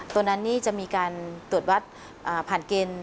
ตัวนั้นนี่จะมีการตรวจวัดผ่านเกณฑ์